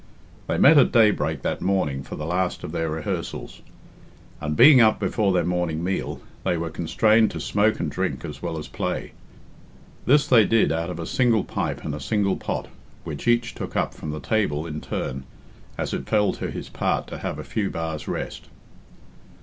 They met at daybreak that morning for the last of their rehearsals. And, being up before their morning meal, they were constrained to smoke and drink as well as play. This they did out of a single pipe and a single pot, which each took up from the table in turn as it fell to his part to have a few bars' rest.